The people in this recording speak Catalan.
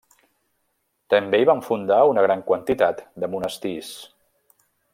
També hi van fundar una gran quantitat de monestirs.